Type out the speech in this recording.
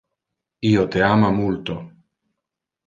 Io te ama multo.